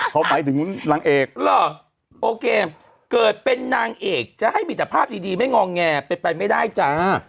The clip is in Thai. เขาหมายถึงนางเอกโอเคเกิดเป็นนางเอกจะให้มีแต่ภาพดีไม่งองแงเป็นไปไม่ได้จ้า